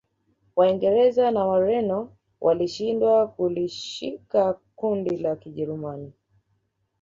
Waingereza na Wareno walishindwa kulishika kundi la Kijerumani